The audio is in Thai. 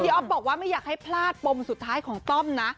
อ๊อฟบอกว่าไม่อยากให้พลาดปมสุดท้ายของต้อมนะ